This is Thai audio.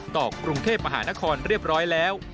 กรุงเทพมหานครเรียบร้อยแล้ว